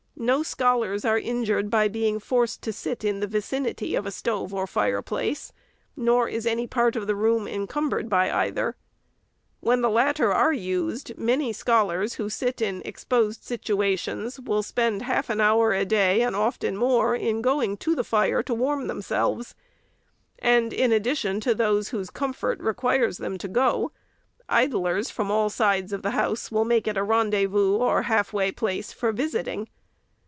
No scholars are injured by being forced to sit in the vicinity of a stove or fireplace : nor is any part of the room encumbered by either. When the latter are used, many scholars, who sit in exposed sit uations, will spend half an hour a day, and often more, in going to the fire to warm themselves ; and, in addition to those whose comfort requires them to go, idlers, from all sides of the house, will make it a rendezvous or halfway place, for visiting.